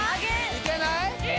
・いけない？